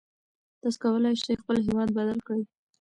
تاسو کولای شئ خپل هېواد بدل کړئ.